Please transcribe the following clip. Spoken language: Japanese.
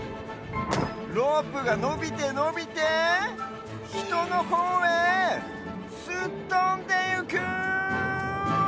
ロープがのびてのびてひとのほうへすっとんでゆく！